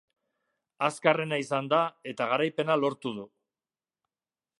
Azkarrena izan da eta garaipena lortu du.